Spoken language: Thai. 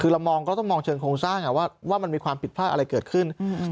คือเรามองก็ต้องมองเชิงโครงสร้างว่ามันมีความผิดพลาดอะไรเกิดขึ้น